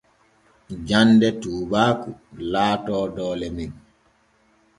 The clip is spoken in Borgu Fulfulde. Jande tuubaaku laato doole men.